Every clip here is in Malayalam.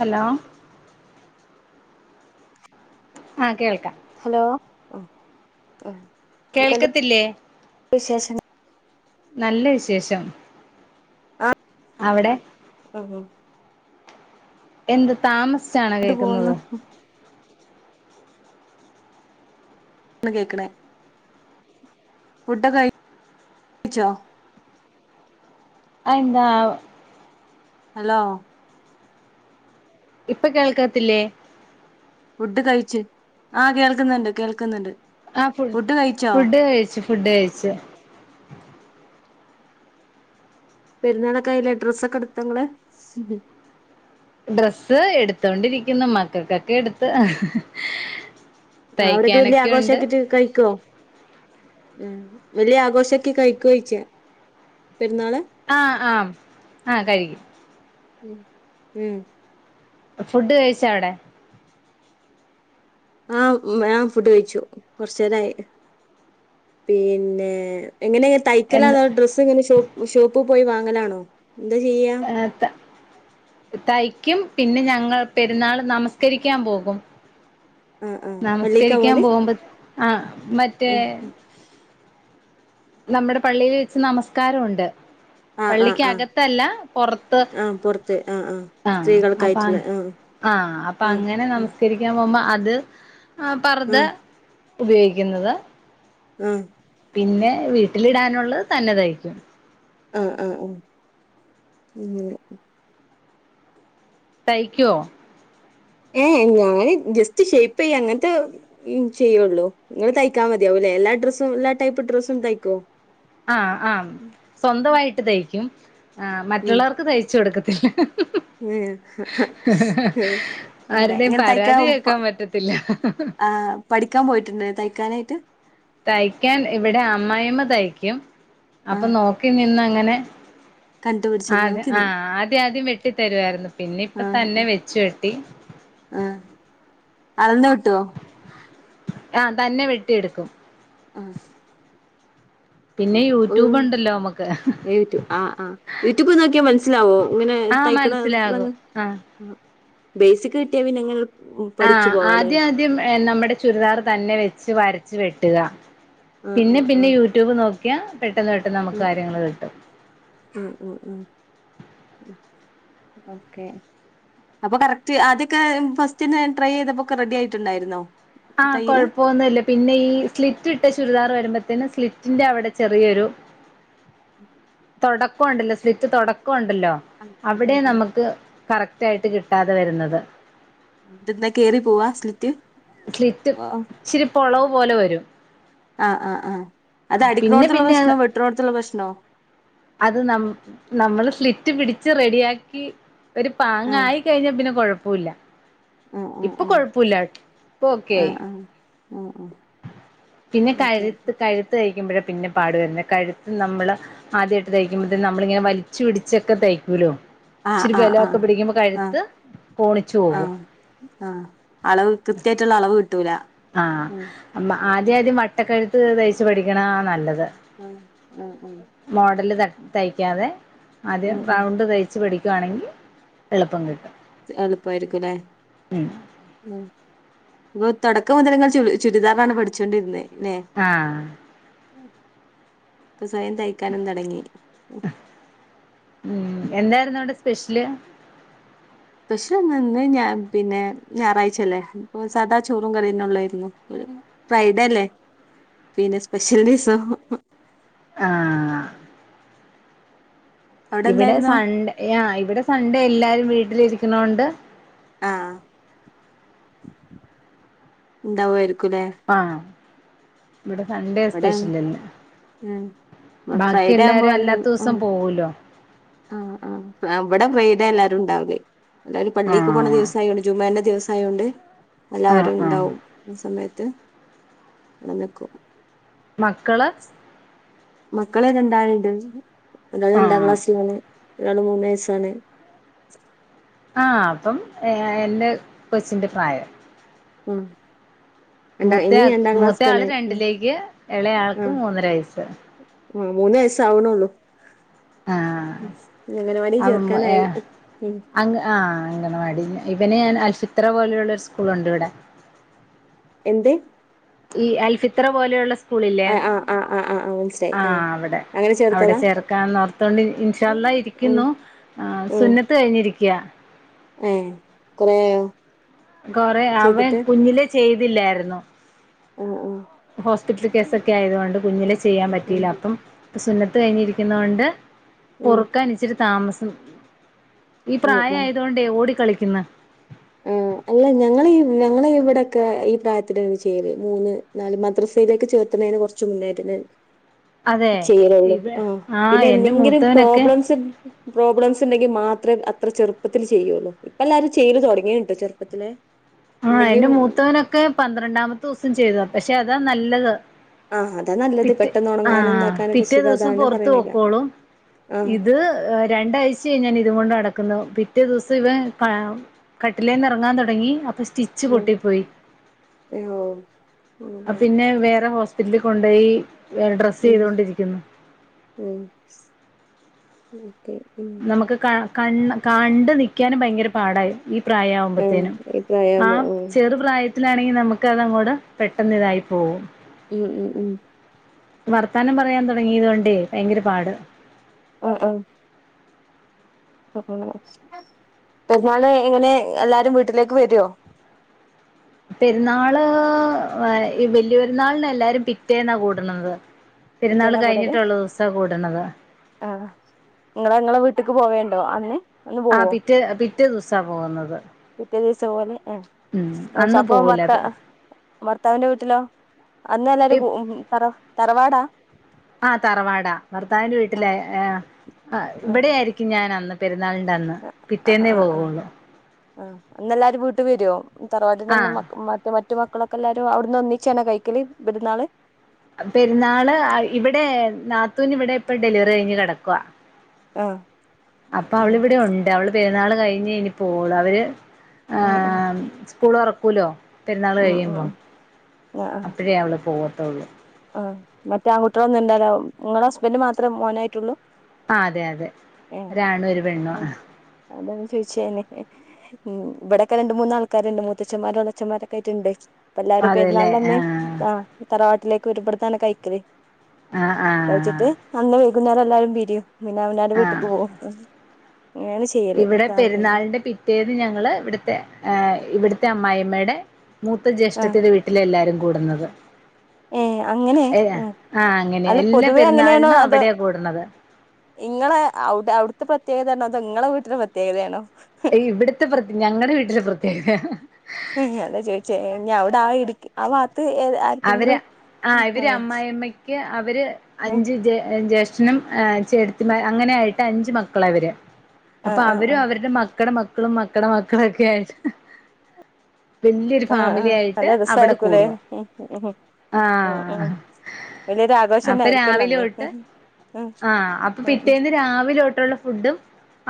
ഹലോ ആ കേൾക്കാം ഹലോ എന്തൊക്കെണ്ട് കേൾക്കത്തില്ലേ വിശേഷം നല്ല വിശേഷം ആഹ് അവടെ ആഹ് എന്ത് താമസിച്ചാണ് ട്ട് കേക്ക്ന്നത് പോകുന്നു ഒന്ന് കേക്ക്ണ് ഫുഡൊക്കഴി ച്ചോ അൻന്ത ഹലോ ഇപ്പ കേൾക്കത്തില്ലേ ഫുഡ് കഴിച്ച് ആഹ് കേൾക്ക്ന്ന്ണ്ട് കേൾക്ക്ന്ന്ണ്ട് ആഹ് ഫുഡ് ഫുഡ് കഴിച്ച് ഫുഡ് കഴിച്ച് പെരുന്നാളൊക്കെ അയ്ലെ ഡ്രസ്സൊക്കെ എടുത്തങ്ങള് ഡ്രസ്സ് എടുത്തോണ്ടിരിക്കുന്നു മക്കക്കൊക്കെ എടുത്ത് ആഹ അവിടൊക്കെ വല്യ തയ്ക്കാനൊക്കെ ആഘോഷ ഉണ്ട് ആക്കിട്ട് കഴിക്കോ ഉം വലിയ ആഘോഷൊക്കെ കഴിക്കെഴിച്ച് പെരുന്നാള് ആഹ് ആഹ് ആഹ് കഴിക്കും ഉ ഉം ഫുഡ് കഴിച്ച അവടെ ആഹ് ഞാൻ ഫുഡ് കഴിച്ചു കൊറച്ചേരായി പിന്നെ എങ്ങനെ എന്ത് തയ്ക്കലതൊ ഡ്രസ്സ് ഇങ്ങനെഷോ ഷോപ്പ് പോയി വാങ്ങലാണോ എന്താ ചെയ്യ ആ തയ്ക്കും പിന്നെ ഞങ്ങൾ പെരുന്നാൾ നമസ്കരിക്കാൻ പോകും ആഹ് ആഹ് പള്ളിക്കാ നമസ്കരിക്കാൻ പോവല് പോകുമ്പോ ആ മറ്റേ ഉം ഉം നമ്മടെ പള്ളിയിൽ വെച്ച് നമസ്കാരുണ്ട് ആ ആ പള്ളിക്ക് ആ അകത്തല്ല പൊർത്ത് ആ പുറത്ത് ആ ആ ആഹ അപ്പ സ്ത്രീകൾക്കായിട്ടുള്ള ആ ആഹ അപ്പൊ ആ അങ്ങനെ ഉം, നമു സ്ക്കരിക്കാൻ പോകുമ്പോ അത് അഹ ആ പർത ഉപയോഗിക്കുന്നത് ഉം പിന്നെ വീട്ടിലി ഇടാനുള്ളത് തന്നെതയ്യ്ക്കും ആഹ് ആഹ് ആഹ് ഉം തയ്ക്കോ ഏഹ് ഞാന് ജസ്റ്റ് ഷേപ്പ് ചെയ്യ അങ്ങൻത്തെ ഉം ചെയ്യുള്ളൂ ങ്ങൾ തയ്ക്കാ മതിയാവൂല്ലേ എല്ലാ ഡ്രസ്സും എല്ലാ ടൈപ്പ് ഡ്രസ്സും തയ്ക്കോ ആഹ് ആഹ് സ്വന്തമായിട്ട് തയ്ക്കും ആഹ്മറ്റുള്ളവർക്ക് തയ്ച്ചു കൊടുക്കത്തില്ല ഉം ഹ ഹ ഉം അങ്ങനെ ആരുടെയും ഇങ്ങനെ തയ്ക്കാൻ പരാതി കേക്കാൻ പറ്റത്തില്ല ആ പഠിക്കാൻ പോയിട്ടുണ്ട് തയ്ക്കാനായിട്ട് തയ്ക്കാൻ ഇവിടെ അമ്മായിമ്മ തയ്ക്കും ആ അപ്പൊ നോക്കി നിന്ന അങ്ങനെ കണ്ടുപിടിച്ചിരുന്നു ആതെ നോക്കിന്ന് ആഹ് ആദ്യം ആദ്യം വെട്ടി തരുവായിരുന്നു പിന്നെ ഇപ്പ തന്നെ വെച്ചു വെട്ടി ആഹ് അളന്ന് വെട്ടോ ആഹ് തന്നെ വെട്ടിയെടുക്കും ആഹ് പിന്നെ പ്പും യൂട്യൂബ് ഉണ്ടല്ലോ നമുക്ക് യൂട് ആഹ് ആഹ് യൂട്യൂബ് നോക്കിയാ മനസ്സിലാവോ ഇങ്ങനെ ആഹ് തയ്ക്കണ മനസ്സിലാകും ആഹ് ബേസിക് കിട്ടിയ പിങ്ങ [unintelligible] ആഹ് ആദ്യം ആദ്യം എ നമ്മുടെ ചുരിദാർ തന്നെ വെച്ച് വരച്ച് വെട്ടുക ആഹ് പിന്നെ ആഹ് പിന്നെ ആഹ് യൂട്യൂബ് നോക്കിയാ പെട്ടെന്ന് പെട്ടെന്ന് നമുക്ക് കാര്യങ്ങള് കിട്ടും ഉം ഉം ഉം ഉം ഉം ഓക്കെ അപ്പൊ കറക്റ്റ് ആദ്യൊക്കെ ഫസ്റ്റ്ന്നെ ട്രൈ ചെയ്തപ്പോക്കെ റെഡി ആയിട്ടുണ്ടായിരുന്നോ ആഹ് തയ്യല് കൊഴപ്പൊന്നുല്ല പിന്നെ ഈ സ്ലിറ്റിട്ട ചുരിദാർ വരുമ്പത്തേന് സ്ലിറ്റിന്റെ അവിടെ ചെറിയൊരു തൊടക്കൊണ്ടല്ലോ സ്ലിറ്റ് തൊടക്കൊണ്ടല്ലോ? ആഹ് ഉം ഉം അവിടെ ഉം ഉം നമുക്ക് കറക്റ്റായിട്ട് കിട്ടാതെ വരുന്നത്. തെന്ത കേറി പോവാ സ്ലിറ്റ്? സ്ലിറ്റ് ആഹ് ഇച്ചിരിപ്പൊളവ് പോലെ വരും. ആഹ് ആഹ് ആഹ് അത് പിന്നെ അടിക്കുണോട്ത്തുള്ള പിന്നെ പ്രശ്നോ വെട്ട്ന്നോട്ത്തുള്ള പ്രശ്നോ? അത് നം നമ്മള് സ്ലിറ്റ് പിടിച്ച് റെഡിയാക്കി ഒരു ആഹ് പാങ്ങായി ച്ചഴിഞ്ഞാൽ പിന്നെ കൊഴപ്പ ല്ല. ആഹ് ഇപ്പൊ ആഹ് കൊഴപ്പ ല്ല ഇപ്പ ഓക്കെയി. ആഹ് ആഹ് ആഹ് ആഹ് പിന്നെ ഓക്കെ കഴുത്ത് കഴുത്ത് കഴിക്കുമ്പഴാ പിന്നെ പാടു വരുന്നെ. കഴുത്ത് നമ്മള് ആദ്യായിട്ട് തയ്ക്കുമ്പത്തിന് നമ്മളിങ്ങനെ വലിച്ചു പിടിച്ചൊക്കെ തയ്ക്കൂലോ. ആഹ് ഇച്ചിരി ആഹ് ആഹ് ബലൊക്കെ പിടിക്കുമ്പോ ആഹ് കഴുത്ത് കോണിച്ചു പോകും. ആഹ് ആഹ് അളവ് കൃത്യായിട്ടുള്ള അളവ് കിട്ടൂല. ആഹ്, ഉം മ്മ, ആദ്യ, ആദ്യം, വട്ടക്കഴുത്ത് തയ്ച്ച് പഠിക്കണാ നല്ലത്. [unintelligible] മോഡല് ത തയ്ക്കാതെ ഉം ആദ്യം ഉം റൗണ്ട് തയ് ച്ച് പടിക്കുവാണെങ്കി എളുപ്പം കിട്ടും. എളുപ്പായിരിക്കു ല്ലേ? ഉം ഉം, ഇങ്ങ തൊടക്കം മുതൽ നിങ്ങൾ ചു ചുരിദാറാണ് പഠിച്ചോണ്ടിരുന്നെ ല്ലെ? ആഹ് ഇപ്പ സ്വയം തയ്ക്കാനും തൊടങ്ങി. ഉം, എന്തായിരുന്നവിടെ സ്പെഷ്യല്? സ്പഷ്യലൊന്നു ന്നുല്ലാ. പിന്നെ, ഞായറാഴ്ച അല്ലേ. ഇപ്പോ സാദാ ചോറും കറീന്നൊള്ളായിരുന്നു. ഫ്രൈഡല്ലേ.? പിന്നെ, സ്പെഷ്യൽ ദീസോ? ആഹ് അവിടെ ഇവിടെ എന്തായിരുന്നു സൺഡേ. യാ, ഇവിടെ സൺഡേ എല്ലാരും വീട്ടിലിരിക്കുണോണ്ട്. ആഹ്, ഉണ്ടാവായിരിക്കു ല്ലേ? ആഹ്, ഇവിടെ സൺഡേ ഇവിടെ സ്പെഷ്യല്ല്ല ഉം ബാക്കി ഫ്രൈഡേ ആവുമ്പോ എല്ലാരും വല്ല അല്ലാത്ത ദിവസം ഉം പോവൂലോ.? ആഹ്, ആഹ്, അവിടെ ഫ്രൈഡേ എല്ലാരുണ്ടാവല്. എല്ലാരും പള്ളിക്ക് പോണ ആഹ് ദിവസായൊണ്ട് ജുമഅന്റെ ദിവസായോണ്ട്. ആഹ് ആഹ് എല്ലാവരുണ്ടാവും ഇസമയത്ത് ഞന്ന്ക്കും. മക്കള് മക്കള് രണ്ടണ്ട് ഒരാള് രണ്ടാ ആഹ് ക്ലാസ്സിലാണ് ഒരാള് മൂനയസ്സാണ്. ആഹ്‌, അപ്പം എ ഏൻ്റ കൊച്ചിന്റെ പ്രായം. ഉം രണ്ടാ ഇനി മൂത്തയാക്ക് രണ്ടാം ക്ലാസ്ക്കാണ് മൂത്തയാള് ഉം രണ്ടിലേക്ക് എളേയാൾക്ക് മൂന്നര വയസ്. ഉം, മൂന്ന് വയസ്സ് ആവണൊള്ളൂ. ആഹ് അങ്കനവാടീ ചേർക്കാനായി ഉഹ് അങ്ങ്, ആഹ്, അങ്കണവാടി ഇവന് ഞാൻ അൽഫിത്ര പോലെയുള്ള ഒരു സ്കൂളുണ്ടിവിടെ. എന്ത്? ഈ, അൽഫിത്ര പോലെയുള്ള സ്കൂളില്ലേ? ആഹ് ആഹ് ആഹ് ആഹ്, ആഹ്, മനസ്സിലായി ആഹ് അ അവിടെ ചേർക്കാന്നോത്തോണ്ട് ഇൻ ഇൻഷാള്ള ഉം ഇരിക്കുന്നു. ആഹ്, ഉം സുന്നത്ത് കഴിഞ്ഞിരിക്ക്യാ. ഏഹ്, കൊറേ ആയോ? കൊറെ അവൻ കുഞ്ഞിലേ ചെയ്തില്ലായിരുന്നു. ഓഹ്, ഓഹ് ഹോസ്പിറ്റൽ കേസൊക്കെ ആയതോണ്ട് കുഞ്ഞിലെ ചെയ്യാൻ ഉം പറ്റിയില്ല അപ്പം. സുന്നത്ത് കഴിഞ്ഞി ഇരിക്കുന്ന കൊണ്ട്, ഉം പൊറുക്കൻ ഇച്ചിരി താമസം. ഈ ഉം പ്രായം ആയത് കൊണ്ട് ഓടി കളിക്കുന്. ഉം അല്ല ഞങ്ങള ഞങ്ങളെ ഇവിടെയൊക്കെ ഈ പ്രായത്തിനാണ് ചെയ്യല് മൂന്ന് നാല് മദ്രസയിലേക്ക് ചേർത്തണതിനന് കൊറച്ച് കൊറച്ച് മുന്നായിട്ട് ന്നെ അതെ ചെയ്യലൊള്ളൂ ഇവ ആഹ് പിന്നെ എന്റെ എന്തെങ്കിലും മൂത്തവനൊക്കെ പ്രോബ്ലംസ് ഉ പ്രോബ്ലംസ് ഉണ്ടെങ്കിൽ മാത്ര അത്ര ചെറുപ്പത്തില് ചെയ്യൊള്ളൂ ഇപ്പം എല്ലാരും ചെയ്ത് തൊട ങ്ങിൻട്ടൊ ചെറുപ്പത്തിലെ ആഹ് എന്റെ മൂത്തവനൊക്കെ പന്ത്രണ്ടാമത്തെ ദിവസം ചെയ്താ പക്ഷെ അതാ നല്ലത് ആഹ് അതാ നല്ലത് പിറ്റ പെട്ടെന്ന് ഉണങ്ങാനും ആഹാ ഇതാക്കാനൊക്കെ പിറ്റേ സുഖം ദിവസം അതാണ് പൊറത്ത് പറയണേക്കാ പോയിക്കോളൂം ആഹ് ഇത് രണ്ടാഴ്ചയ ഞാൻ ഇത് കൊണ്ട് നടക്കുന്നു പിറ്റേ ദിവസം ഇവൻ കാ കട്ടിലേന്ന് എറങ്ങാൻ തൊടങ്ങി അപ്പൊ സ്റ്റി ച്ച് ഉം പൊട്ടി പോയി ഓഹ് പിന്നെ വേറെ ഹോസ്പിറ്റലിൽ കൊണ്ട് പോയി ഡ്രസ്സ് ഉം ചെയ്തൊണ്ടിരിക്കുന്നു ഉം ഓക്കെ നമുക്ക് ക കണ്ട് നിൽക്കാനും ഭയങ്കര പാടാ അത് ഈ പ്രായ ആഹ് ആവുമ്പോത്തേനും ഈ പ്രായാവുമ്പോ ആഹ് ചെറുപ്രായത്തി ത്തിലാണെങ്കിൽ നമുക്ക് അതങ്ങോട് പെട്ടെന്ന് ഇതായി പോകും ഉം ഉം ഉം വർത്താനം പറയാൻ തൊടങ്ങിയതൊണ്ട് ഭയങ്കര പാടാ ആഹ് ആഹ് പെരുന്നാളിന് യെങ്ങനെ എല്ലാരും വീട്ടിലേക്ക് വരോ പെരുന്നാള് ബലിയൊരുന്നാളിന് എല്ലാരും പിറ്റേന്നാ കൂടണത് പെരുന്നാൾ പിറ്റേന്നാ കൂടല് കഴിഞ്ഞിട്ടുള്ളൂ ദിവസ കൂടണത് ആഹ് നിങ്ങ ങ്ങളെ വീട്ടേക്ക് പോവണ്ടോ അന്ന് അന്ന് ആഹ് പോവോ പിറ്റേ പിറ്റേ ദിവസാ പോകുന്നത് പിറ്റേ പിറ്റേ ദിവസപോവൽ ഹേ ഉം അന്ന് അപ്പൊ പോവൂല ഭർത്താ ഭർത്താവിന്റെ വീട്ടിലോ അന്ന് എല്ലും തറ തറവാടാ ആഹ് തറവാട ഭർത്താവിന്റെ വീട്ടില ആഹ് ഇവിടെ ആഹ് ആായി രിക്കും ഞാൻ അന്ന് പെരുന്നാളി്റെ അന്ന് ആഹ് പിറ്റേന്നേ ആഹ് ആഹ് പോകുള്ളൂ ആഹ് അന്ന് എല്ലാരും വീട്ട് വരൊ തറവാടിന്ന് ആഹ് മറ്റേ മറ്റ മറ്റ മക്കളൊക്കെ എല്ലാരും അവിടുന്ന് ഒന്നിച്ചന കഴിക്കല് പെരുന്നാൾ പെരുന്നാള് ഇവിടെ നാത്തൂന് ഇവിടെ ഇപ്പൊ ഡെലിവറി കഴിഞ്ഞ് കിടക്കുവ ആഹ് അപ്പൊ ഉം അവളിവിടെ ഉണ്ട് അവള് പെരുന്നാൾ കഴിഞ്ഞ് ഇനി പോവൊള്ളു അവൾ ഉം ഉം സ്കൂൾ തൊറക്കല്ലോ പെരുന്നാൾ ഉം ഉം കഴിയുമ്പോം ഉം ആഹ് ആഹ് അപ്പോഴേ അവള് പോവത്തുള്ളൂ ആഹ് മറ്റേ ആൺകുട്ടികളൊന്നും ഇല്ല നിങ്ങളുടെ ഹസ്ബൻഡ് മാത്ര മോനായിട്ടൊള്ളു ആഹ് അതെ അതെ ഒരാണു ഒരു പെണ്ണു അതന്ന് ചോദിച്ചെയി ഉം ഇവിടെക്കെ രണ്ട് മൂന്നാൾക്കാരുണ്ട് മൂത്തച്ചമാരോളച്ചന്മാരൊക്കെയിട്ടുണ്ട് ഇപ്പ എല്ലാരും പെരുന്നാള് അതെല്ലേ ൻ്റെ ആഹ് അന്ന് തറവാട്ടിലേക്ക് വരും ഇബട്ന്നാണ് കഴിക്കല് ആഹ് കഴിച്ചിട്ട് ആഹ് അന്ന് വൈകുന്നേരം എല്ലാരും പിരിയും പിന്നെ അവനാ ആഹ് ൻ്റെവീട്ടക്ക് പോകും ഇവിടെ പെരുന്നാളിന്റെ പിറ്റ റ്റേന്ന് ഞങ്ങള് ഇവിടുത്തെ ഇവിടുത്തെ അമ്മായിമ്മയുടെ മൂത്ത ആഹ് ജ്യേഷ്ഠത്തി വിട്ട ട്ടില എല്ലാരും കൂടുന്നത് ഏഹ് അങ്ങനെ ഏ ആഹ് അങ്ങനെയാ അല്ല എല്ലാ പൊതുവെ അങ്ങനെയാണോ പെരുന്നാളിനും അതോ അവിടെയാാ കൂടണത് ഇങ്ങളെ അവ്ടെ അവ്ട്ത്തെ പ്രത്യേകതയാണോ അതോ ഇങ്ങളെ വീട്ട്ലെ പ്രത്യേകതയാണോ ഇവിട്ത്തെ പ്ര ഞങ്ങടെ വീട്ടിലെ പ്രത്യേകതെ അതാ ചോയിച്ചേ ഇഞ്ഞ് അവടെ ആ ഇട് ആ വാ ത്ത് ഏത് അ അവര് ആഹ് ഇവര് അമ്മായിമ്മയ്ക്ക് അവര് ആഹ് അഞ്ച് ജേ ജേഷ് ട്ടനും ചേട്ടത്തിന്മാരും അങ്ങനായിട്ട് അഞ്ച് മക്കള ഇവര് അപ്പൊ ആഹ് അവരും ആഹ് അവര്ടെ മക്കടെ മക്കളും മക്കടെ മക്കളോക്കായിട്ട് വല്ല്യോരു ഫാമിലി ആയിട്ട് അവിടെ കൂടുവാ ഉ ഉ ആഹ് ആഘോഷം അപ്പ തന്നെ ആയിരിക്കുവല്ലോ രാവിലെ അന്ന് തൊട്ട് ഉം ആഹ് അപ്പൊ ഉം പിറ്റേന്ന് രാവിലൊട്ട്ള്ള ഫുഡും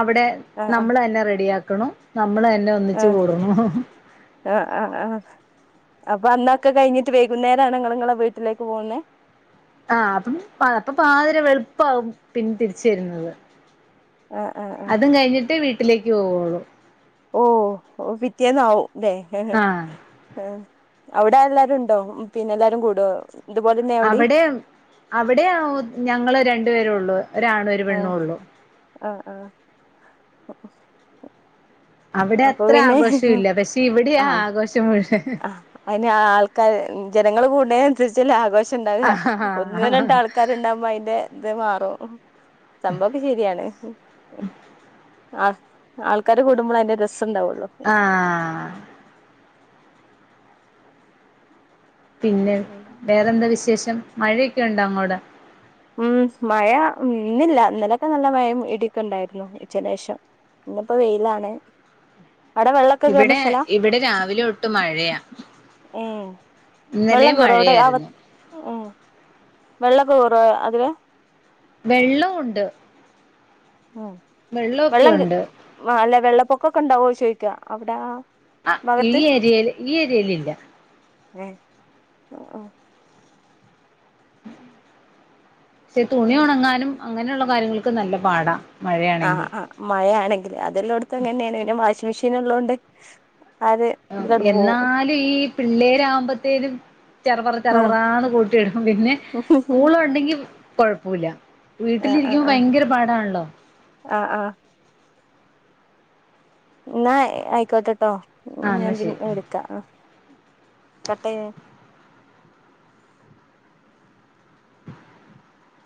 അവിടെ ആഹ് ആഹ് നമ്മളെന്നെ റെഡിയാക്കണം നമ്മളെന്നെ ഒന്നിച്ച് ആഹ് കൂടണം ആഹ് ആഹ് ആഹ് അപ്പൊ അന്നൊക്കെ കഴിഞ്ഞിട്ട് വൈകുന്നേരാണോ ഇങ്ങള് ഇങ്ങളെ വീട്ടിലേക്ക് പോകുന്നെ ആഹ് അപ്പം അപ്പൊ പാതിര വെള്പ്പാവും പിന്നെ തിരിച്ച് വര്ന്നത് ആഹ് ആഹ് ആഹ് അതും കഴിഞ്ഞിട്ട് വീട്ടിലേക്ക് പോവൊള്ളു ഓഹ് ഓ പിറ്റേന്നാവും ലേ ആഹ് അവിടെ എല്ലാരുണ്ടോ പിന്നെ എല്ലാരും കൂടോ ഇതുപോലെന്നെ അവിടിം അവിടെ അവിടെ ഞങ്ങള് രണ്ട് പേരോള്ളൂ ഒരാണ്‌ ഒര് ആഹ് പെണ്ണോള്ളൂ ആഹ് ആഹ് അവിടെ അപ്പൊ അത്ര പിന്നെ ആഘോഷവില്ല പക്ഷെ ഇവിട്യാ ആഘോഷം മുഴുവൻ അതെന്നെ ആൾക്കാര് ജനങ്ങള് കൂട്ണേന സരിച്ചല്ലേ ആഘോഷം ഇണ്ടാക ആഹ് ഒന്ന് രണ്ട് ആൾക്കാര്ണ്ടാവുമ്പോ അയിന്റെ ഇത് മാറും സംഭവൊക്കെ ശെരിയാണ് ആഹ് ആൾക്കാര് കൂടുമ്പളെ അയിന്റെ രസണ്ടാവൊള്ളു ആഹ് പിന്നെ വേറെന്താ വിശേഷം മഴയൊക്കെണ്ടോ അങ്ങോട് ഉം മഴ ഇന്നില്ല ഇന്നലൊക്കെ നല്ല മഴം ഇട്യോക്കെണ്ടായിരുന്നു ഉച്ചന്റേഷം ഇന്ന്പ്പം വെയിലാണ് അടെ വെള്ളോക്കെ കേറ്ണ ഇവിടെ സ്ഥലാ ഇവിടെ രാവിലെ തൊട്ട് മഴയാ ഏഹ് വെള്ളം ഇന്നലെയും കെറോ അവ്ടെ അക മഴയായിരുന്നു വെള്ളൊക്കെ കെറോ ആദ്യവെ വെള്ളം ഉണ്ട് ഉം വെള്ളമൊക്കെ വെള്ളം കേ ഉണ്ട് [unintelligible] അല്ലെ വെള്ളപ്പൊക്കൊക്കെ ഉണ്ടാവോ ചോയിക്ക അവ്ടാ ആഹ് ഈ ഏരിയൽ ഈ ഏരിയേലില്ല ഏഹ് ഓഹ് ആഹ് പക്ഷെ തുണി ഒണങ്ങാനും അങ്ങനെള്ള കാര്യങ്ങൾക്ക് നല്ല പാടാ ആഹ് മഴയാണെങ്കി ആഹ് മഴയാണെങ്കില് അതെല്ലോട്ത്തു അങ്ങനെന്യാണ് പിന്നെ വാഷിംങ്ങ് മെഷീന്ള്ളോണ്ട് ആഹ് എന്നാലും ഈ പിള്ളേരാവുമ്പത്തേനും ചെറ പറ ചെറ ആഹ് പറാന്ന് കൂട്ടിയിടും പിന്നെ സ്കൂള് ഉണ്ടെങ്കി കൊഴപ്പല്ല ആഹ് ആഹ് വീട്ടിലിരിക്കുമ്പോ ആഹ് ഭയങ്കര പാടാണല്ലോ ആഹ് ആഹ് ഇന്നാ ആയിക്കോട്ടെട്ടോ ആ ഞാൻ എന്നാ പിന്നെ ശരി വിളിക്കാം ആഹ് കട്ടായിന്